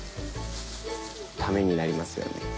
ためになりますよね。